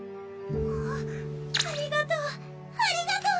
あありがとうありがとう！